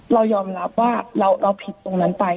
เรายอมรับว่าเราผิดตรงนั้นไป